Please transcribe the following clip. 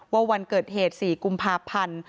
วันเกิดเหตุ๔กุมภาพันธ์